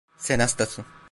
Sen hastasın.